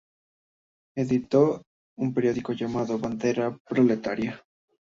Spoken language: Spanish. Editó un periódico llamado "Bandera Proletaria".